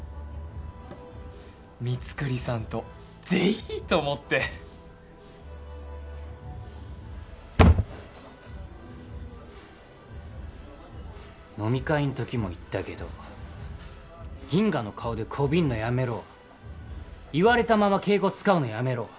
ミツクリさんと是非と思って飲み会の時も言ったけどギンガの顔でこびんのやめろ言われたまま敬語使うのやめろ